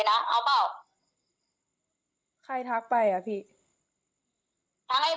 ไอ้ไหมไอ้บ้างกิ๊ดไปทำชัดกลุ่มอะไรโทรไปหาแล้วเคลียร์ซะ